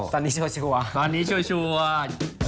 ตอนนี้ชัวร์